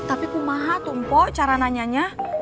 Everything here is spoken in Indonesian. ini kumaha tuh empok cara nanyanya